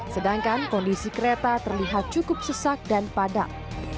sedangkan kondisi kereta terlihat cukup sesak dan padat